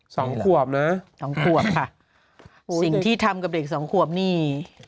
สองขวบเหรอสองขวบค่ะสิ่งที่ทำกับเด็กสองขวบนี่